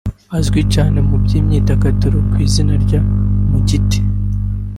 Azwi cyane mu by’imyidagaduro ku izina rya ‘Mugiti’